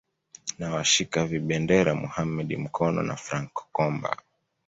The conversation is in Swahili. na washika vibendera Mohamed Mkono na Frank Komba